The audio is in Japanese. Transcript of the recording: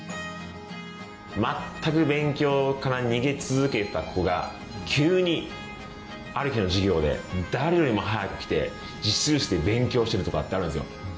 全く勉強から逃げ続けていた子が急にある日の授業で誰よりも早く来て自習室で勉強しているとかってあるんですよ。